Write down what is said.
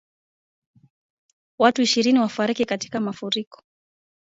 Watu ishirini wafariki katika mafuriko